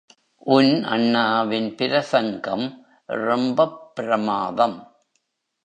உன் அண்ணாவின் பிரசங்கம் ரொம்பப் பிரமாதம்.